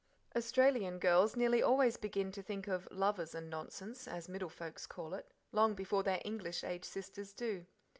Australian girls nearly always begin to think of "lovers and nonsense," as middlefolks call it, long before their English aged sisters do.